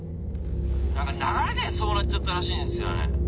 何か流れでそうなっちゃったらしいんですよね。